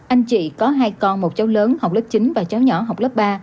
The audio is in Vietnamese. anh chị có hai con một cháu lớn học lớp chín và cháu nhỏ học lớp ba